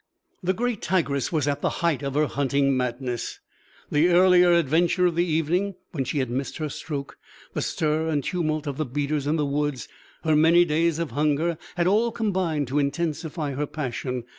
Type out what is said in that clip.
The great tigress was at the height of her hunting madness. The earlier adventure of the evening when she had missed her stroke, the stir and tumult of the beaters in the wood, her many days of hunger, had all combined to intensify her passion.